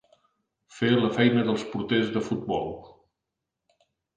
Fer la feina dels porters de futbol.